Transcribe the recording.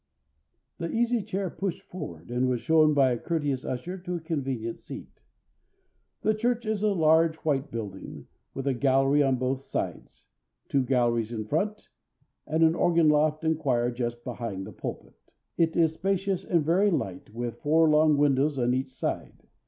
The Easy Chair pushed forward, and was shown by a courteous usher to a convenient seat. The church is a large white building, with a gallery on both sides, two galleries in front, and an organ loft and choir just behind the pulpit. It is spacious and very light, with four long windows on each side.